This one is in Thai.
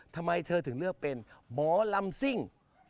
ทำไมเธอถึงเลือกเป็นหมอลำซิ่ง